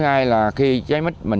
đối với các loại mít he